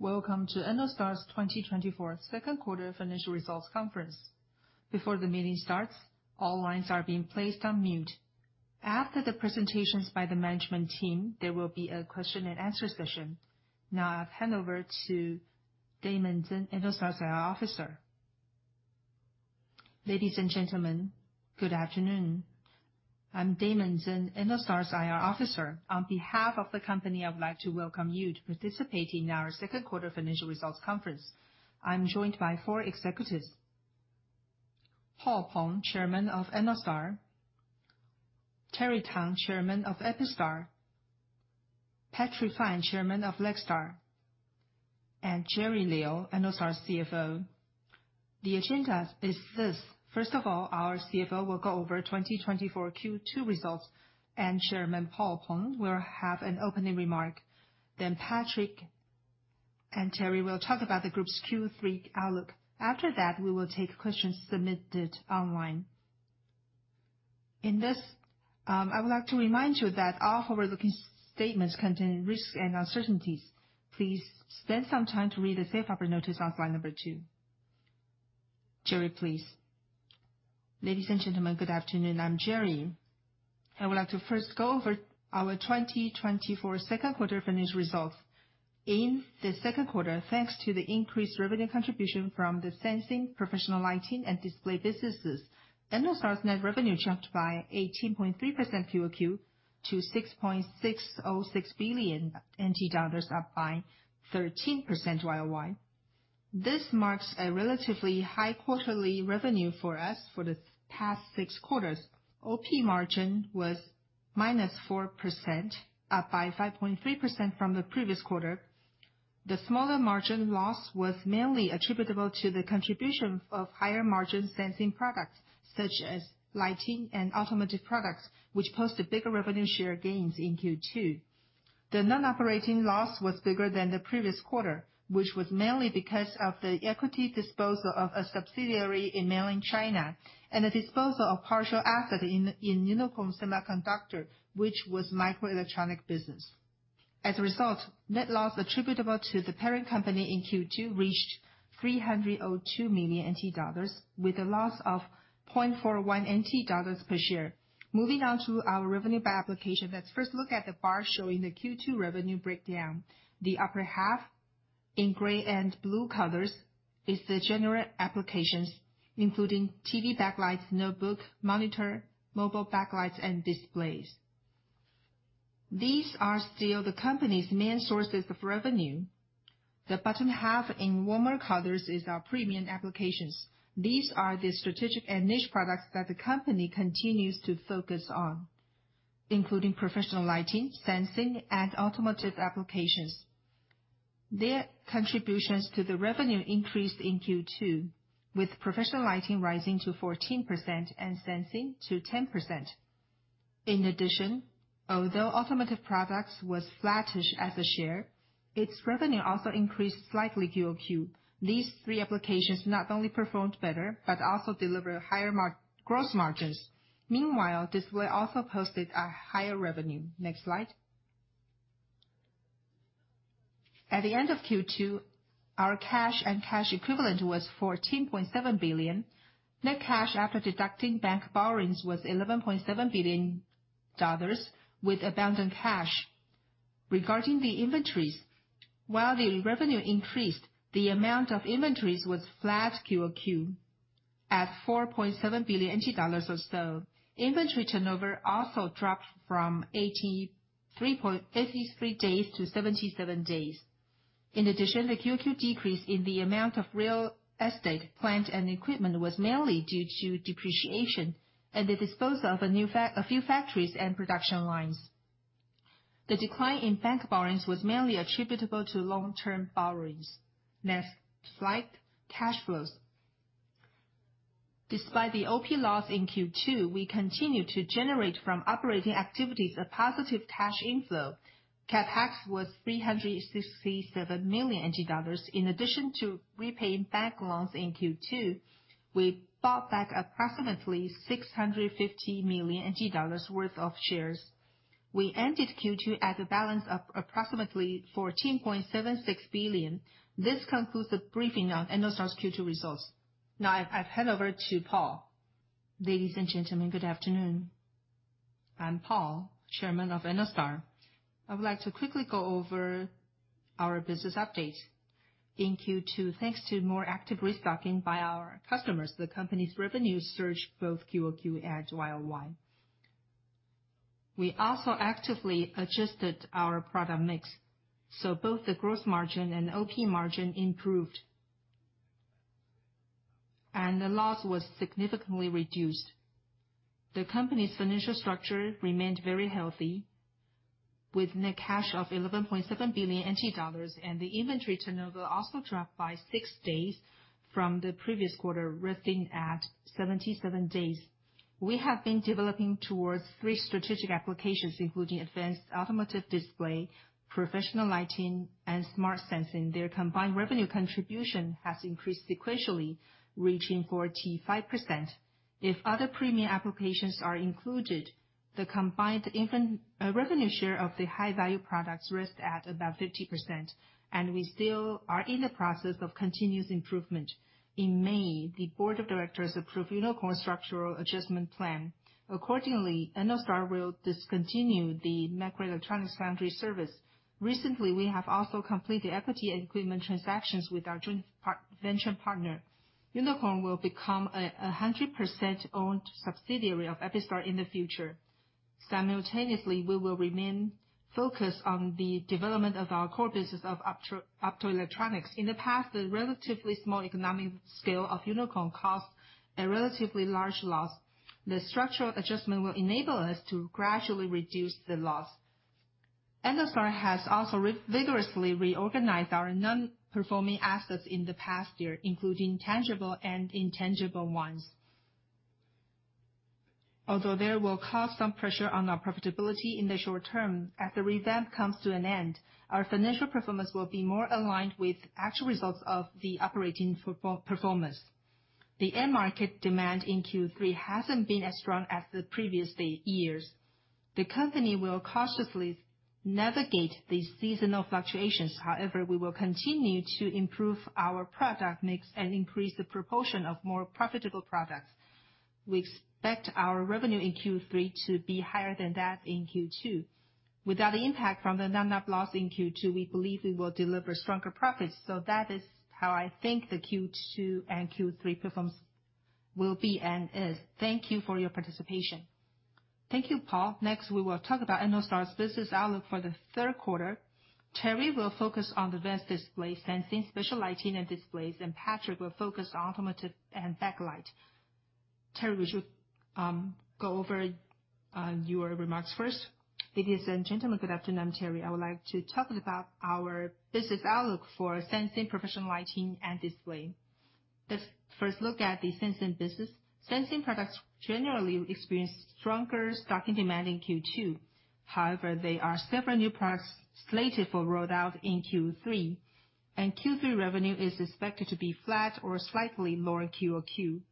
Welcome to Ennostar's 2024 Second Quarter Financial Results Conference. Before the meeting starts, all lines are being placed on mute. After the presentations by the management team, there will be a question-and-answer session. Now I hand over to Damon Tzeng, Ennostar's IR officer. Ladies and gentlemen, good afternoon. I'm Damon Tzeng, Ennostar's IR officer. On behalf of the company, I'd like to welcome you to participate in our second quarter financial results conference. I'm joined by four executives: Paul Peng, chairman of Ennostar; Terry Tang, chairman of EPISTAR; Patrick Fan, chairman of Lextar; and Jerry Liu, Ennostar's CFO. The agenda is this. First of all, our CFO will go over 2024 Q2 results, and Chairman Paul Peng will have an opening remark. Then Patrick and Terry will talk about the Group's Q3 outlook. After that, we will take questions submitted online. In this, I would like to remind you that all forward-looking statements contain risks and uncertainties. Please spend some time to read the safe harbor notice on slide number 2. Jerry, please. Ladies and gentlemen, good afternoon. I'm Jerry. I would like to first go over our 2024 second quarter financial results. In the second quarter, thanks to the increased revenue contribution from the sensing, professional lighting, and display businesses, Ennostar's net revenue jumped by 18.3% QOQ to 6.606 billion NT dollars, up by 13% YOY. This marks a relatively high quarterly revenue for us for the past six quarters. OP margin was -4%, up by 5.3% from the previous quarter. The smaller margin loss was mainly attributable to the contribution of higher-margin sensing products, such as lighting and automotive products, which posted bigger revenue share gains in Q2. The non-operating loss was bigger than the previous quarter, which was mainly because of the equity disposal of a subsidiary in Mainland China and the disposal of partial asset in Unikorn Semiconductor, which was microelectronic business. As a result, net loss attributable to the parent company in Q2 reached 302 million NT dollars, with a loss of 0.41 NT dollars per share. Moving on to our revenue by application. Let's first look at the bar showing the Q2 revenue breakdown. The upper half, in gray and blue colors, is the general applications, including TV backlights, notebook, monitor, mobile backlights, and displays. These are still the company's main sources of revenue. The bottom half, in warmer colors, is our premium applications. These are the strategic and niche products that the company continues to focus on, including professional lighting, sensing, and automotive applications. Their contributions to the revenue increased in Q2, with professional lighting rising to 14% and sensing to 10%. In addition, although automotive products was flattish as a share, its revenue also increased slightly QOQ. These three applications not only performed better, but also delivered higher gross margins. Meanwhile, display also posted a higher revenue. Next slide. At the end of Q2, our cash and cash equivalent was $14.7 billion. Net cash, after deducting bank borrowings, was $11.7 billion, with abundant cash. Regarding the inventories, while the revenue increased, the amount of inventories was flat QOQ at 4.7 billion NT dollars or so. Inventory turnover also dropped from 83 days to 77 days. In addition, the QOQ decrease in the amount of real estate, plant, and equipment was mainly due to depreciation and the disposal of a few factories and production lines. The decline in bank borrowings was mainly attributable to long-term borrowings. Next slide, cash flows. Despite the OP loss in Q2, we continued to generate from operating activities a positive cash inflow. CapEx was NT$367 million. In addition to repaying bank loans in Q2, we bought back approximately NT$650 million worth of shares. We ended Q2 at a balance of approximately NT$14.76 billion. This concludes the briefing on Ennostar's Q2 results. Now, I hand over to Paul. Ladies and gentlemen, good afternoon. I'm Paul, Chairman of Ennostar. I would like to quickly go over our business update. In Q2, thanks to more active restocking by our customers, the company's revenues surged both QOQ and YOY. We also actively adjusted our product mix, so both the gross margin and OP margin improved, and the loss was significantly reduced. The company's financial structure remained very healthy, with net cash of NT$11.7 billion, and the inventory turnover also dropped by 6 days from the previous quarter, resting at 77 days. We have been developing towards three strategic applications, including advanced automotive display, professional lighting, and smart sensing. Their combined revenue contribution has increased sequentially, reaching 45%. If other premium applications are included, the combined, in fact, revenue share of the high-value products rests at about 50%, and we still are in the process of continuous improvement. In May, the board of directors approved Unikorn structural adjustment plan. Accordingly, Ennostar will discontinue the microelectronics foundry service. Recently, we have also completed equity and equipment transactions with our joint venture partner. Unikorn will become a 100% owned subsidiary of EPISTAR in the future. Simultaneously, we will remain focused on the development of our core business of optoelectronics. In the past, the relatively small economic scale of Unikorn caused a relatively large loss. The structural adjustment will enable us to gradually reduce the loss. Ennostar has also vigorously reorganized our non-performing assets in the past year, including tangible and intangible ones. Although there will cause some pressure on our profitability in the short term, as the revamp comes to an end, our financial performance will be more aligned with actual results of the operating performance. The end market demand in Q3 hasn't been as strong as the previous years. The company will cautiously navigate the seasonal fluctuations. However, we will continue to improve our product mix and increase the proportion of more profitable products. We expect our revenue in Q3 to be higher than that in Q2. Without the impact from the non-GAAP loss in Q2, we believe we will deliver stronger profits. So that is how I think the Q2 and Q3 performance will be and is. Thank you for your participation. Thank you, Paul. Next, we will talk about Ennostar's business outlook for the third quarter. Terry will focus on advanced display, sensing, special lighting and displays, and Patrick will focus on automotive and backlight. Terry, would you go over your remarks first? Ladies and gentlemen, good afternoon. I'm Terry. I would like to talk about our business outlook for sensing, professional lighting, and display. Let's first look at the sensing business. Sensing products generally experience stronger stocking demand in Q2. However, there are several new products slated for rollout in Q3, and Q3 revenue is expected to be flat or slightly lower QOQ,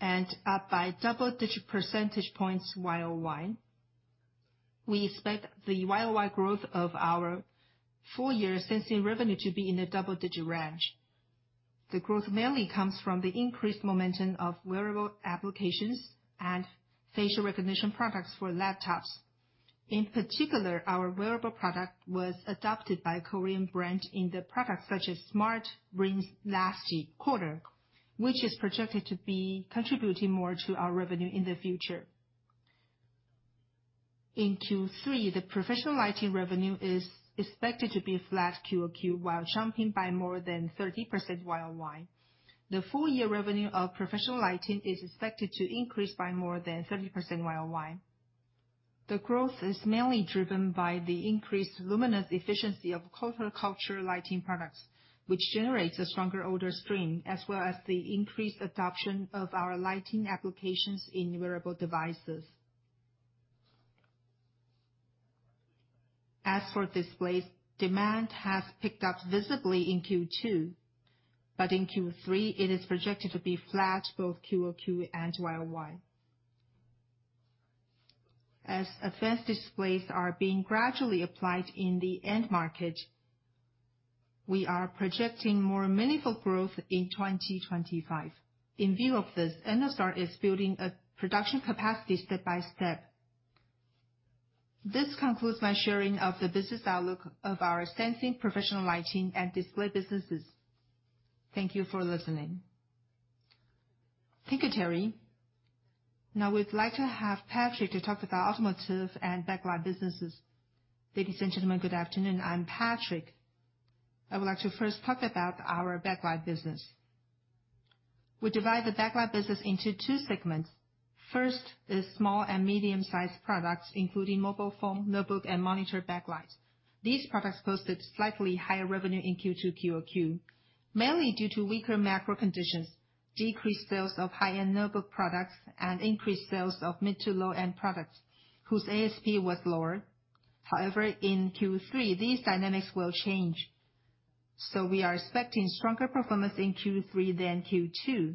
and up by double-digit percentage points YoY. We expect the YoY growth of our full year sensing revenue to be in the double-digit range. The growth mainly comes from the increased momentum of wearable applications and facial recognition products for laptops. In particular, our wearable product was adopted by a Korean brand in the products such as smart rings last quarter, which is projected to be contributing more to our revenue in the future. In Q3, the professional lighting revenue is expected to be flat QOQ, while jumping by more than 30% YoY. The full year revenue of professional lighting is expected to increase by more than 30% YoY. The growth is mainly driven by the increased luminous efficiency of horticulture lighting products, which generates a stronger order stream, as well as the increased adoption of our lighting applications in wearable devices. As for displays, demand has picked up visibly in Q2, but in Q3 it is projected to be flat, both QOQ and YoY. As advanced displays are being gradually applied in the end market, we are projecting more meaningful growth in 2025. In view of this, Ennostar is building a production capacity step by step. This concludes my sharing of the business outlook of our sensing, professional lighting, and display businesses. Thank you for listening. Thank you, Terry. Now we'd like to have Patrick to talk about automotive and backlight businesses. Ladies and gentlemen, good afternoon. I'm Patrick. I would like to first talk about our backlight business. We divide the backlight business into two segments. First is small and medium-sized products, including mobile phone, notebook, and monitor backlights. These products posted slightly higher revenue in Q2 QOQ, mainly due to weaker macro conditions, decreased sales of high-end notebook products, and increased sales of mid- to low-end products, whose ASP was lower. However, in Q3, these dynamics will change, so we are expecting stronger performance in Q3 than Q2,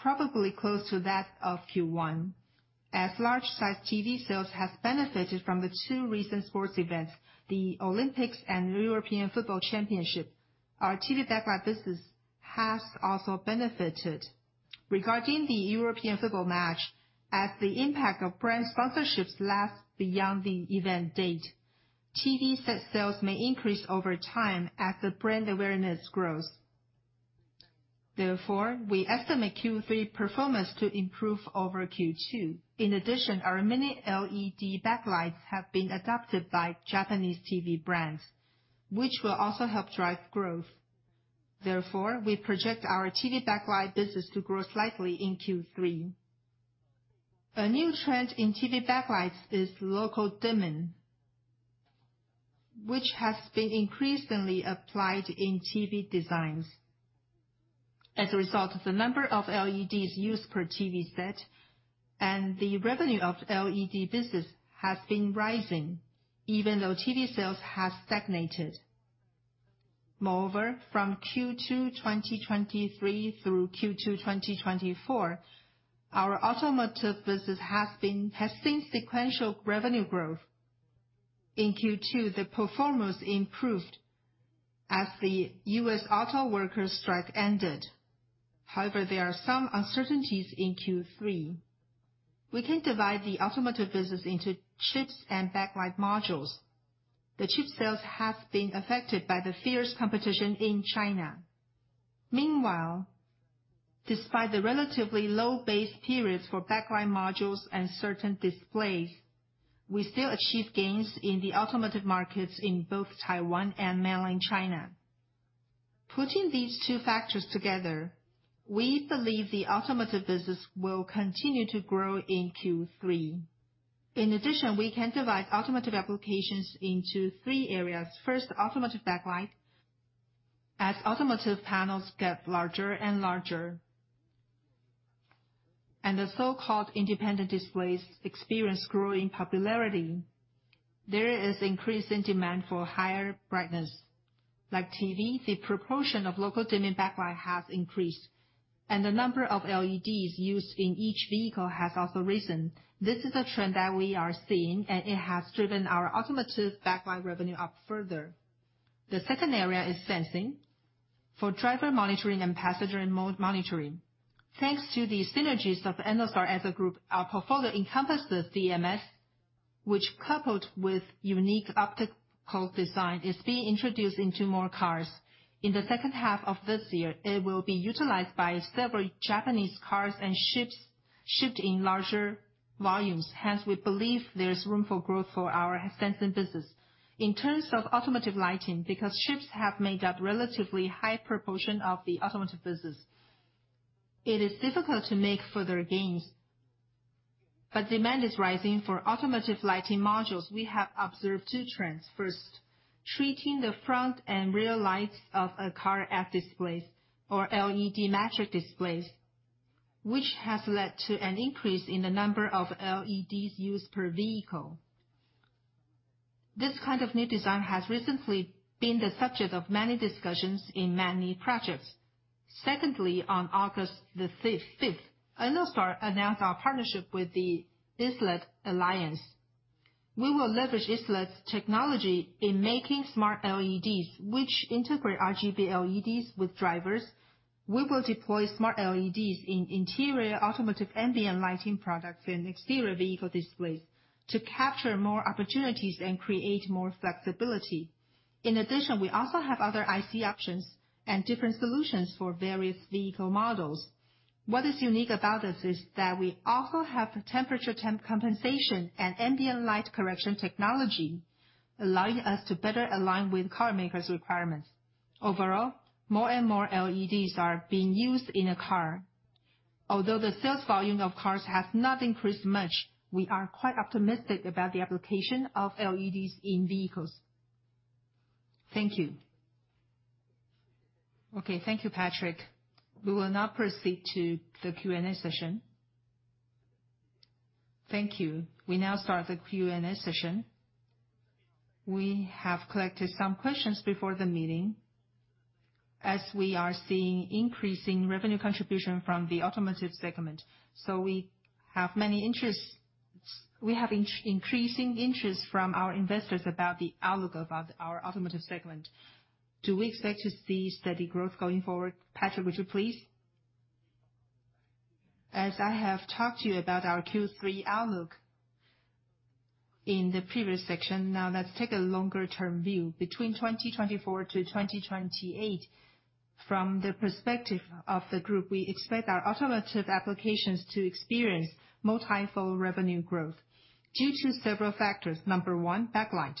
probably close to that of Q1. As large-sized TV sales has benefited from the two recent sports events, the Olympics and European Football Championship, our TV backlight business has also benefited. Regarding the European football match, as the impact of brand sponsorships lasts beyond the event date, TV set sales may increase over time as the brand awareness grows. Therefore, we estimate Q3 performance to improve over Q2. In addition, our mini LED backlights have been adopted by Japanese TV brands, which will also help drive growth. Therefore, we project our TV backlight business to grow slightly in Q3. A new trend in TV backlights is local dimming, which has been increasingly applied in TV designs. As a result, the number of LEDs used per TV set and the revenue of LED business has been rising, even though TV sales has stagnated. Moreover, from Q2 2023 through Q2 2024, our automotive business has seen sequential revenue growth. In Q2, the performance improved as the U.S. auto workers strike ended. However, there are some uncertainties in Q3. We can divide the automotive business into chips and backlight modules. The chip sales have been affected by the fierce competition in China. Meanwhile, despite the relatively low base periods for backlight modules and certain displays, we still achieve gains in the automotive markets in both Taiwan and Mainland China. Putting these two factors together, we believe the automotive business will continue to grow in Q3. In addition, we can divide automotive applications into three areas. First, automotive backlight. As automotive panels get larger and larger, and the so-called independent displays experience growing popularity, there is increasing demand for higher brightness. Like TV, the proportion of local dimming backlight has increased, and the number of LEDs used in each vehicle has also risen. This is a trend that we are seeing, and it has driven our automotive backlight revenue up further. The second area is sensing, for driver monitoring and passenger monitoring. Thanks to the synergies of Ennostar as a group, our portfolio encompasses DMS, which, coupled with unique optical design, is being introduced into more cars. In the second half of this year, it will be utilized by several Japanese cars and chips, shipped in larger volumes. Hence, we believe there is room for growth for our sensing business. In terms of automotive lighting, because chips have made up relatively high proportion of the automotive business, it is difficult to make further gains. But demand is rising for automotive lighting modules. We have observed two trends. First, treating the front and rear lights of a car as displays or LED matrix displays, which has led to an increase in the number of LEDs used per vehicle. This kind of new design has recently been the subject of many discussions in many projects. Secondly, on August the fifth, Ennostar announced our partnership with the ISELED Alliance. We will leverage ISELED's technology in making smart LEDs, which integrate RGB LEDs with drivers. We will deploy smart LEDs in interior automotive ambient lighting products and exterior vehicle displays to capture more opportunities and create more flexibility. In addition, we also have other IC options and different solutions for various vehicle models. What is unique about us is that we also have temperature temp compensation and ambient light correction technology, allowing us to better align with car makers' requirements. Overall, more and more LEDs are being used in a car. Although the sales volume of cars has not increased much, we are quite optimistic about the application of LEDs in vehicles. Thank you. Okay, thank you, Patrick. We will now proceed to the Q&A session. Thank you. We now start the Q&A session. We have collected some questions before the meeting, as we are seeing increasing revenue contribution from the automotive segment. So we have many interests, we have increasing interest from our investors about the outlook about our automotive segment. Do we expect to see steady growth going forward? Patrick, would you please? As I have talked to you about our Q3 outlook in the previous section, now let's take a longer term view. Between 2024 to 2028, from the perspective of the group, we expect our automotive applications to experience multi-fold revenue growth due to several factors. Number one, backlight.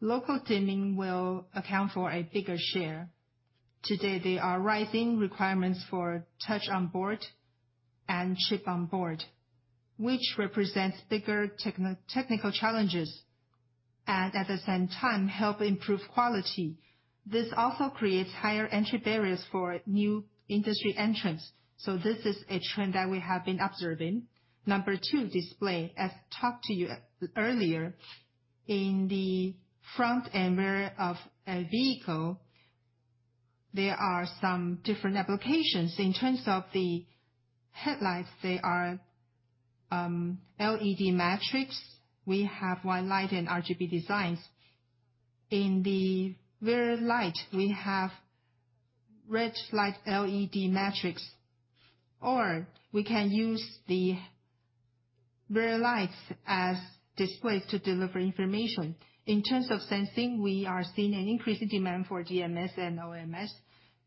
Local dimming will account for a bigger share. Today, there are rising requirements for touch on board and chip on board, which represents bigger technical challenges, and at the same time, help improve quality. This also creates higher entry barriers for new industry entrants, so this is a trend that we have been observing. Number two, display. I've talked to you earlier, in the front and rear of a vehicle, there are some different applications. In terms of the headlights, they are LED matrix. We have white light and RGB designs. In the rear light, we have red light LED matrix, or we can use the rear lights as displays to deliver information. In terms of sensing, we are seeing an increasing demand for DMS and OMS.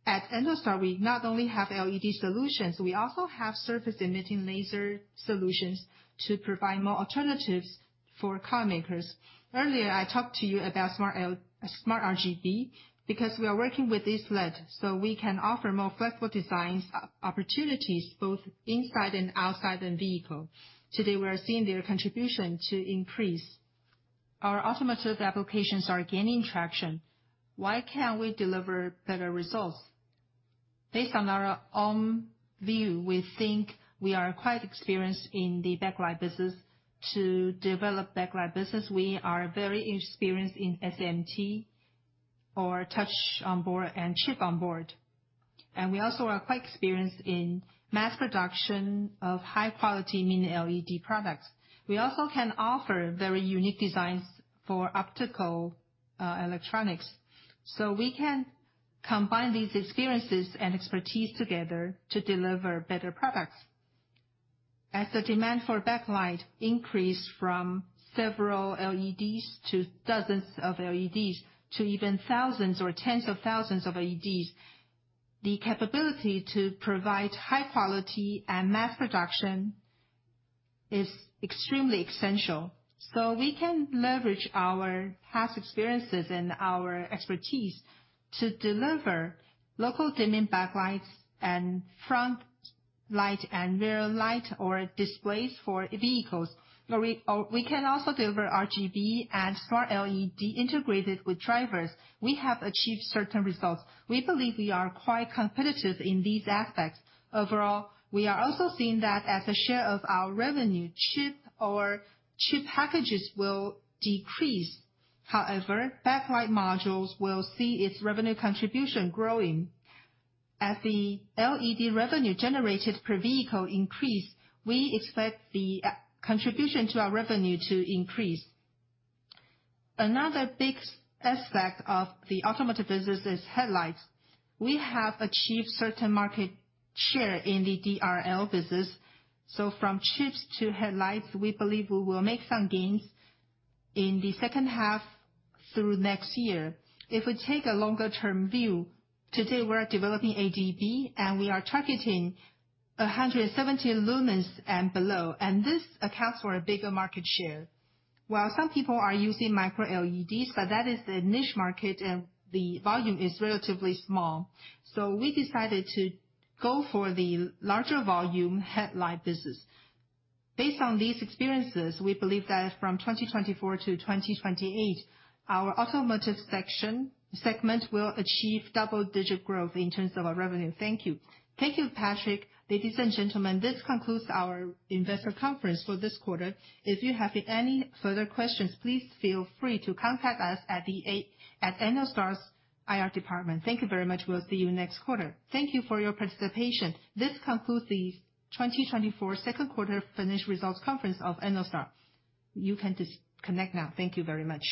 At Ennostar, we not only have LED solutions, we also have surface emitting laser solutions to provide more alternatives for car makers. Earlier, I talked to you about smart RGB, because we are working with ISELED, so we can offer more flexible designs, opportunities, both inside and outside the vehicle. Today, we are seeing their contribution to increase. Our automotive applications are gaining traction. Why can't we deliver better results?... Based on our own view, we think we are quite experienced in the backlight business. To develop backlight business, we are very experienced in SMT or touch on board and chip on board, and we also are quite experienced in mass production of high-quality mini LED products. We also can offer very unique designs for optical, electronics. So we can combine these experiences and expertise together to deliver better products. As the demand for backlight increase from several LEDs to dozens of LEDs, to even thousands or tens of thousands of LEDs, the capability to provide high quality and mass production is extremely essential. So we can leverage our past experiences and our expertise to deliver local dimming backlights and front light and rear light or displays for vehicles, or we, or we can also deliver RGB and smart LED integrated with drivers. We have achieved certain results. We believe we are quite competitive in these aspects. Overall, we are also seeing that as a share of our revenue, chip or chip packages will decrease. However, backlight modules will see its revenue contribution growing. As the LED revenue generated per vehicle increase, we expect the contribution to our revenue to increase. Another big aspect of the automotive business is headlights. We have achieved certain market share in the DRL business, so from chips to headlights, we believe we will make some gains in the second half through next year. If we take a longer term view, today we are developing ADB, and we are targeting 170 lumens and below, and this accounts for a bigger market share. While some people are using micro LEDs, but that is a niche market, and the volume is relatively small. So we decided to go for the larger volume headlight business. Based on these experiences, we believe that from 2024 to 2028, our automotive segment will achieve double-digit growth in terms of our revenue. Thank you. Thank you, Patrick. Ladies and gentlemen, this concludes our investor conference for this quarter. If you have any further questions, please feel free to contact us at Ennostar's IR department. Thank you very much. We'll see you next quarter. Thank you for your participation. This concludes the 2024 second quarter financial results conference of Ennostar. You can disconnect now. Thank you very much.